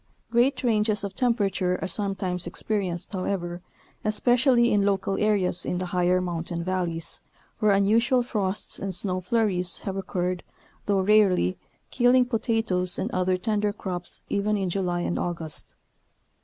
Great ranges of temperature are sometimes expe rienced, however, especially in local areas in the higher mountain valleys, where unusual frosts and snow flurries have occurred, though rarely, killing potatoes and other tender crops even in July and August.